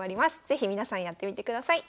是非皆さんやってみてください。